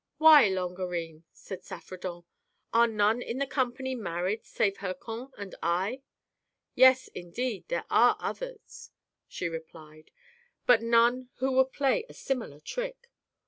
"Why, Longarine," said Saffredent, "are none in the company married save Hircan and I ?" "Yes, indeed there are others," she replied, "but none who would play a similar trick."